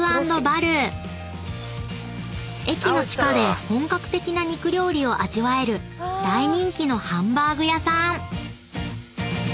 ［駅の地下で本格的な肉料理を味わえる大人気のハンバーグ屋さん］